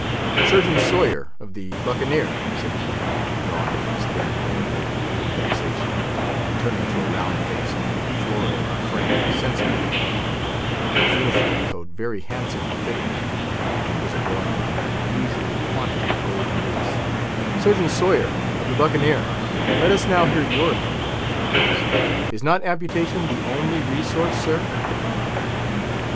"Surgeon Sawyer, of the Buccaneer," said Cuticle, drawing in his thin lower lip with vexation, and turning to a round faced, florid, frank, sensible looking man, whose uniform coat very handsomely fitted him, and was adorned with an unusual quantity of gold lace; "Surgeon Sawyer, of the Buccaneer, let us now hear your opinion, if you please. Is not amputation the only resource, sir?"